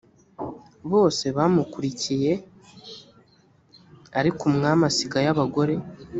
bose bamukurikiye ariko umwami asigayo abagore